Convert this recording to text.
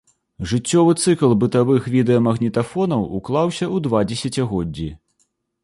Жыццёвы цыкл бытавых відэамагнітафонаў уклаўся ў два дзесяцігоддзі.